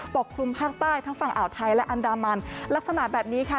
กลุ่มภาคใต้ทั้งฝั่งอ่าวไทยและอันดามันลักษณะแบบนี้ค่ะ